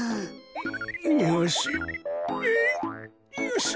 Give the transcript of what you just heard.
よし。